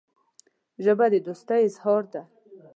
ژبه د دوستۍ اظهار ده